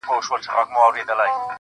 ستوري ډېوه سي ،هوا خوره سي.